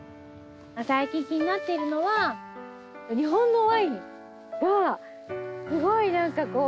最近気になっているのは日本のワインがすごい何かこう。